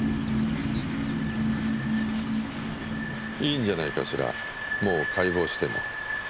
いいんじゃないかしらもう解剖しても。